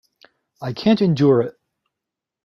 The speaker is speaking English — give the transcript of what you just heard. I can't endure it!